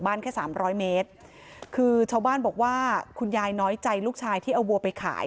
แค่สามร้อยเมตรคือชาวบ้านบอกว่าคุณยายน้อยใจลูกชายที่เอาวัวไปขาย